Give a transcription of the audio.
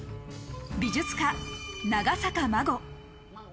美術家・長坂真護。